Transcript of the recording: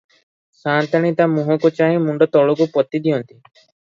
ସାଆନ୍ତାଣୀ ତା ମୁହଁକୁ ଚାହିଁ ମୁଣ୍ତ ତଳକୁ ପୋତିଦିଅନ୍ତି ।